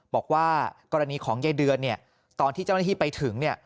บอกว่ากรณีของยายเดือนเนี่ยตอนที่เจ้าหน้าที่ไปถึงเนี่ย